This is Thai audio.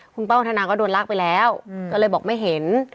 คุณป้าวัฒนาก็โดนลากไปแล้วก็เลยบอกไม่เห็น